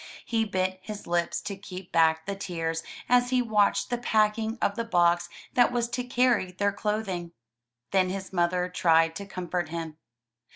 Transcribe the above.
He bit his lips to keep back the tears as he watched the packing of the box that was to carry their cloth ing. Then his mother tried to comfort him.